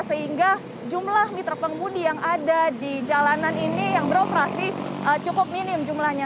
sehingga jumlah mitra pengemudi yang ada di jalanan ini yang beroperasi cukup minim jumlahnya